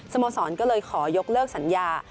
โมสรก็เลยขอยกเลิกสัญญา